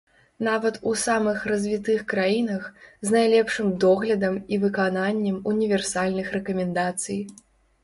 Нават у самых развітых краінах, з найлепшым доглядам і выкананнем універсальных рэкамендацый.